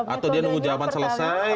atau dia nunggu jawaban selesai